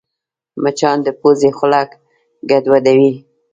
مچان د پوزې خوله ګډوډوي